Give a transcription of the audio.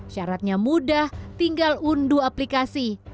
syaratnya mudah tinggal unduh aplikasi